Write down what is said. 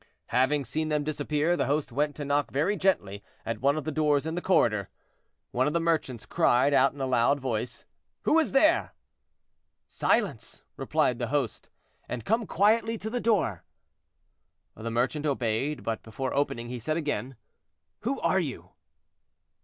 Having seen them disappear, the host went to knock very gently at one of the doors in the corridor. One of the merchants cried out in a loud voice, "Who is there?" "Silence!" replied the host, "and come quietly to the door." The merchant obeyed, but before opening, he said again—"Who are you?"